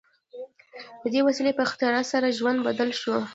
د دې وسیلې په اختراع سره ژوند بدل شو.